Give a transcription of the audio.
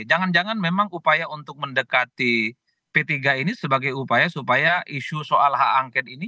jangan jangan memang upaya untuk mendekati p tiga ini sebagai upaya supaya isu soal hak angket ini